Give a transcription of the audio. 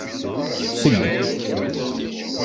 Seg.